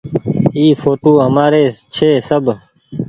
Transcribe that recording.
اي ڦوٽو همآري ڇي۔ سب ۔